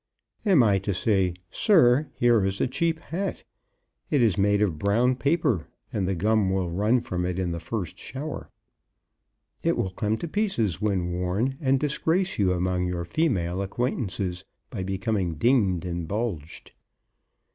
Am I to say, 'Sir, here is a cheap hat. It is made of brown paper, and the gum will run from it in the first shower. It will come to pieces when worn and disgrace you among your female acquaintances by becoming dinged and bulged?'